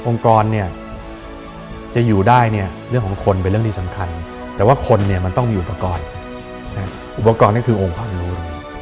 กรเนี่ยจะอยู่ได้เนี่ยเรื่องของคนเป็นเรื่องที่สำคัญแต่ว่าคนเนี่ยมันต้องมีอุปกรณ์อุปกรณ์ก็คือองค์พระอำนูล